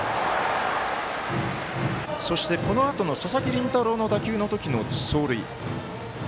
そして、このあとの佐々木麟太郎の打球の時の走塁。